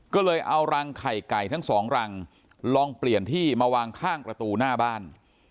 ก็เลยเอารังไข่ไก่ทั้งสองรังลองเปลี่ยนที่มาวางข้างประตูหน้าบ้าน